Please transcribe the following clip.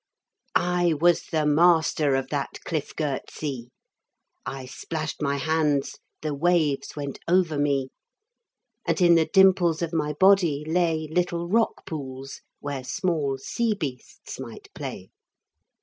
I was the master of that cliff girt sea. I splashed my hands, the waves went over me, And in the dimples of my body lay Little rock pools, where small sea beasts might play.